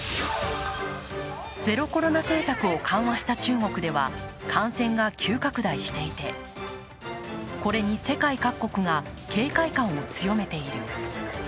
ゼロコロナ政策を緩和した中国では感染が急拡大していてこれに世界各国が警戒感を強めている。